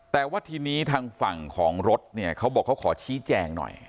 แต่ว่าทีนี้ทางฝั่งของรถเนี่ยเขาบอกเขาขอชี้แจงหน่อย